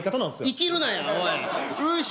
イキるなやおい。